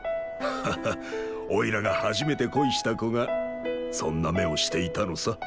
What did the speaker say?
ハッハッおいらが初めて恋した子がそんな目をしていたのさ。